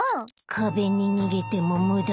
壁に逃げてもムダ。